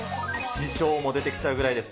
師匠も出てきちゃうくらいです。